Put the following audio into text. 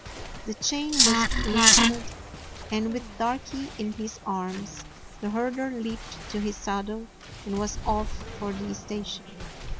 The chain was loosened, and with Darky in his arms, the herder leaped to his saddle and was off for the station.